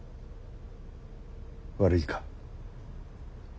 悪いか？